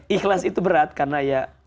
ikhlas itu berat karena ya